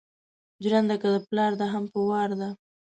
جرنده که دا پلار ده هم په وار ده